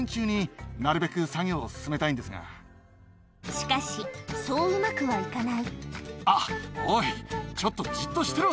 しかしそううまくは行かないあっおいちょっとじっとしてろ。